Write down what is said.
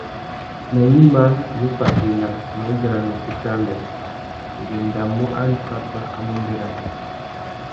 Nà gnïmá, nnú fatēna, nnú udjana na ukutu amê: ngu endamú ari pápá a mú bérana.